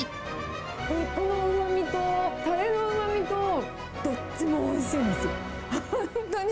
肉のうまみと、たれのうまみと、どっちもおいしいんですよ、本当に。